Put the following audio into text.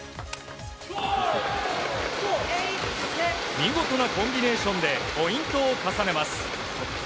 見事なコンビネーションでポイントを重ねます。